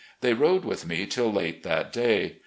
They rode with me till late that day.